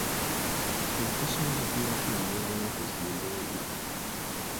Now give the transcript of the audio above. Obutasoma buviirako embeera y'okuzimba embi.